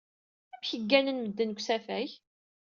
Amek gganen medden deg usafag?